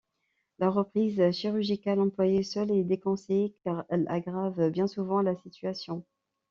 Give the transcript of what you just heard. La reprise chirurgicale employée seule est déconseillée car elle aggrave bien souvent la situation.